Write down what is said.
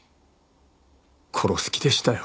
殺す気でしたよ。